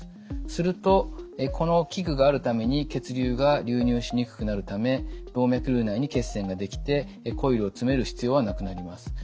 するとこの器具があるために血流が流入しにくくなるため動脈瘤内に血栓ができてコイルを詰める必要はなくなります。